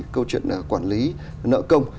câu chuyện quản lý nợ công